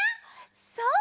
そう！